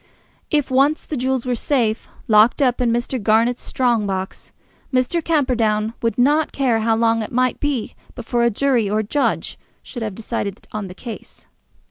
If once the jewels were safe, locked up in Mr. Garnett's strong box, Mr. Camperdown would not care how long it might be before a jury or a judge should have decided on the case.